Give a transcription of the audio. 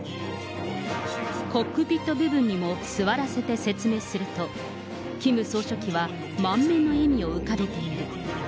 コックピット部分にも座らせて説明すると、キム総書記は、満面の笑みを浮かべている。